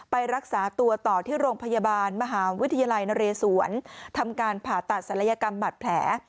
ไปรักษาตัวต่อที่โรงพยาบาลมหาวิทยาลัยนเรศวรทำการผ่าตัดศัลยกรรมบาดแผล